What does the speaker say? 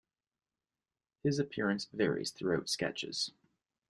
His appearance varies throughout sketches.